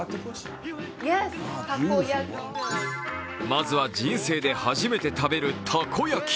まずは、人生で初めて食べるたこ焼き。